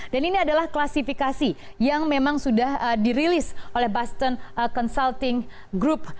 dan ini adalah klasifikasi yang memang sudah dirilis oleh boston consulting group